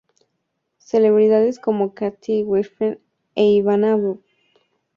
Celebridades como Kathy Griffin e Ivana Baquero han aparecido en los últimos números.